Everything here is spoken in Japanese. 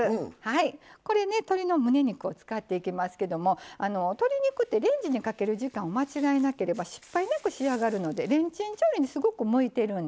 これね鶏のむね肉を使っていきますけども鶏肉ってレンジにかける時間を間違えなければ失敗なく仕上がるのでレンチン調理にすごく向いてるんです。